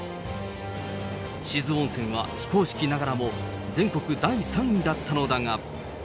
志津温泉は非公式ながらも、全国第３位だったのだが。